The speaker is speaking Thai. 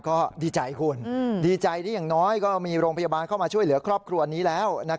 ก็ดีใจคุณดีใจที่อย่างน้อยก็มีโรงพยาบาลเข้ามาช่วยเหลือครอบครัวนี้แล้ว